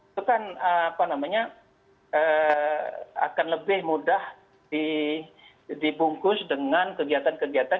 itu kan akan lebih mudah dibungkus dengan kegiatan kegiatan